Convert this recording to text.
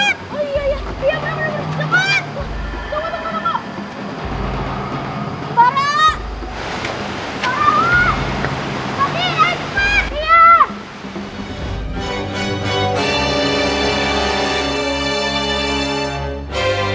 semuanya yang bahaya akan berganti dia